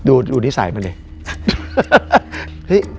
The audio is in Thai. ดูนิสัยมันดิ